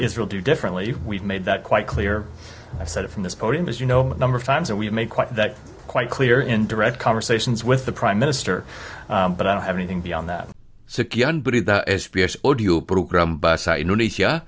sekian berita sbs audio program bahasa indonesia